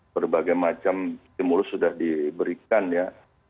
berbagai macam stimulus sudah diberikan ya